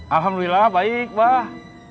alhamdulillah baik mbah